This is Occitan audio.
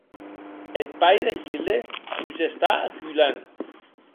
Eth pair de Hilde mos està aculant.